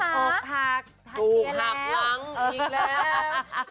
ลองดูเลยค่ะ